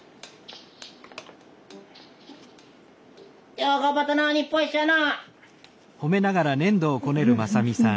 よう頑張ったな日本一やな。